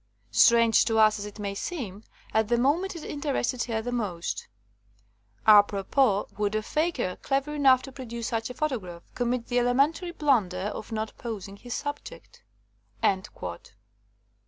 Strange to us as it may seem, at the moment it interested her the most. Apropos, would a faker, clever enough to produce such a photograph, commit the elementary blunder of not pos ing his subject?"